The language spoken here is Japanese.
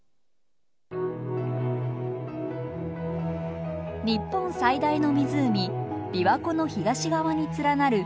日本最大の湖琵琶湖の東側に連なる鈴鹿山脈。